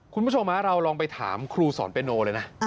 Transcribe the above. คุณผู้ชมเราลองไปถามครูสอนเปโนเลยนะ